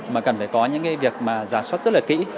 mà cần phải có những cái việc mà giả soát rất là kỹ